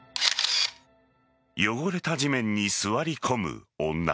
汚れた地面に座り込む女。